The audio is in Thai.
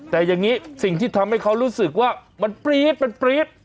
แต่อย่างนี้สิ่งที่ทำให้เขารู้สึกว่ามันปรี๊ดมันปรี๊ด